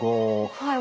はい。